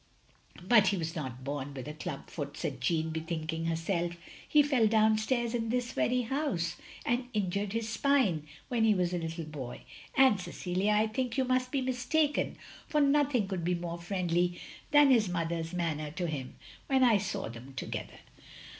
" "But he was not bom with a club foot," said Jeanne, bethinking herself. "He fell down stairs in this very house, and injured his spine — when he was a little boy. And, Cecilia, I think you mtist be mistaken, for nothing could be more friendly than his mother's manner to him when I saw them together.